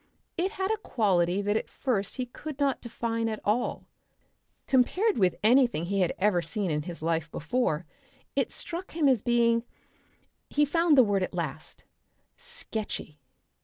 It had a quality that at first he could not define at all. Compared with anything he had ever seen in his life before it struck him as being he found the word at last sketchy.